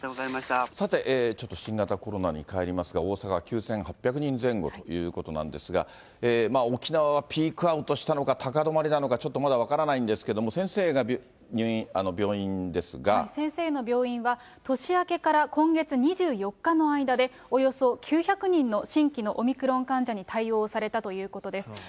さて、ちょっと新型コロナにかえりますが、大阪、９８００人前後ということなんですが、沖縄はピークアウトしたのか、高止まりなのか、ちょっとまだ分からないんですけれども、先生の病院は、年明けから今月２４日の間で、およそ９００人の新規のオミクロン患者に対応されたということです。